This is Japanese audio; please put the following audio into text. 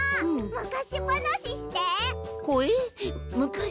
むかしばなしとな？